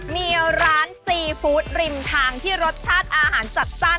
มีร้านซีฟู้ดริมทางที่รสชาติอาหารจัดจ้าน